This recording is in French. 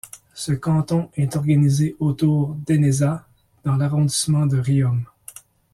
Ce canton est organisé autour d'Ennezat dans l'arrondissement de Riom.